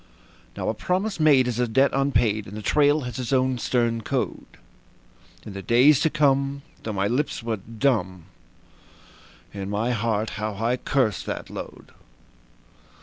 Now a promise made is a debt unpaid, and the trail has its own stern code. In the days to come, though my lips were dumb, in my heart how I cursed that load.